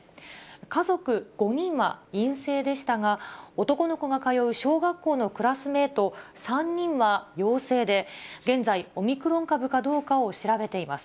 家族５人は陰性でしたが、男の子が通う小学校のクラスメート３人は陽性で、現在、オミクロン株かどうかを調べています。